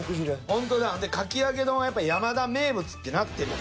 ほんでかき揚げ丼はやっぱ「山田名物！」ってなってる。